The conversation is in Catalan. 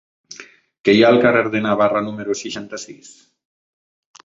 Què hi ha al carrer de Navarra número seixanta-sis?